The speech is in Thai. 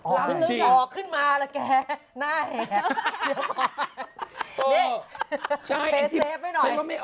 ๓๐เดือนไม่เอาในอันที่